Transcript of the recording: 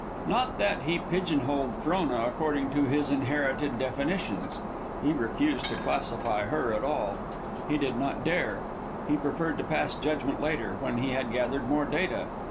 Not that he pigeon holed Frona according to his inherited definitions. He refused to classify her at all. He did not dare. He preferred to pass judgment later, when he had gathered more data.